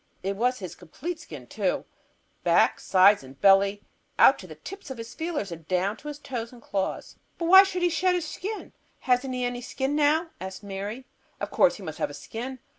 It was his complete skin, too, back and sides and belly, out to the tips of his feelers and down to his toes and claws. "But why should he shed his skin? Hasn't he any skin now?" asked Mary. "Of course he must have a skin.